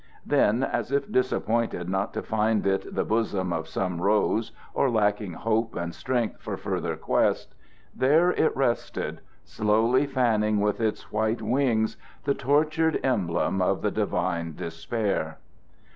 Then, as if disappointed not to find it the bosom of some rose, or lacking hope and strength for further quest there it rested, slowly fanning with its white wings the tortured emblem of the divine despair.